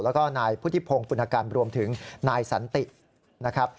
แล้วก็นายพุทธิพงศ์ปุณกรรมรวมถึงนายสันตินะครับ